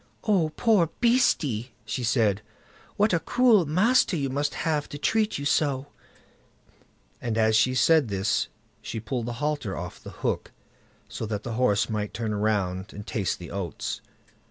"Oh, poor beastie", she said, "what a cruel master you must have to treat you so", and as she said this she pulled the halter off the hook, so that the horse might turn round and taste the oats.